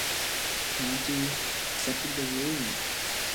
The county accepted the ruling.